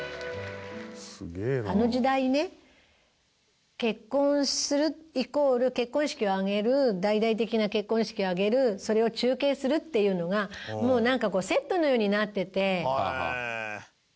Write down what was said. あの時代ね結婚するイコール結婚式を挙げる大々的な結婚式を挙げるそれを中継するっていうのがもうなんかセットのようになっていて。